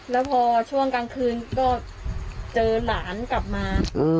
แล้วพอช่วงกลางคืนก็เจอหลานกลับมา